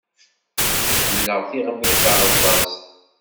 Ḥemmleɣ tiɣmi tarẓazt.